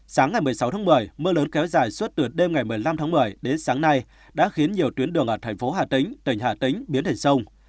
sáng ngày một mươi sáu tháng một mươi mưa lớn kéo dài suốt từ đêm ngày một mươi năm tháng một mươi đến sáng nay đã khiến nhiều tuyến đường ở thành phố hà tĩnh tỉnh hà tĩnh biến thành sông